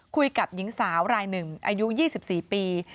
คุยกับหญิงสาวรายหนึ่งอายุ๒๔ปี